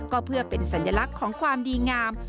ก็เพื่อเป็นสัญลักษณ์ของความดีงาม